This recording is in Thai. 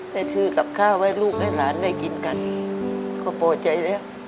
ไปสื้อกับข้าวมาดูให้ราชด้ายตกกินก็โปรดใจเลย